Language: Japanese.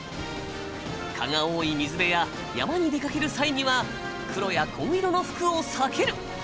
蚊が多い水辺や山に出かける際には黒や紺色の服を避ける。